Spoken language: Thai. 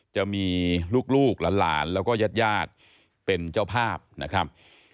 จะมีลูกหลานแล้วก็ญาติญาติเป็นเจ้าภาพนะครับ